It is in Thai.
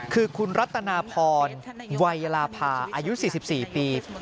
คือคุณรัตนาพรวัยลาภาอายุ๔๔ปี